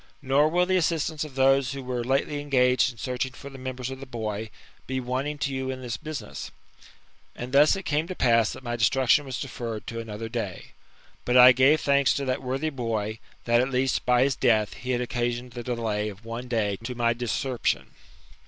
Nor will the assistance of those who were lately engaged in searching for the members of the boy, be wanting to you in this business." And thus it came to pass that my destruction was deferred to another day. But I gave thanks to that worthy bo>% that at least, by his death, he had occasioned the delay of one day to my discerption.